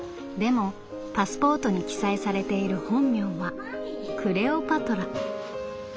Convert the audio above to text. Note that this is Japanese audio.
もパスポートに記載されている本名はクレオパトラ」。